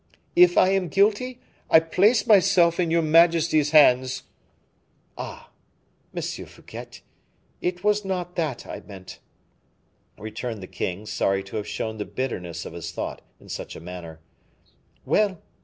"If I am guilty, I place myself in your majesty's hands." "Ah! Monsieur Fouquet, it was not that I meant," returned the king, sorry to have shown the bitterness of his thought in such a manner. "Well!